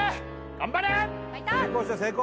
頑張れ！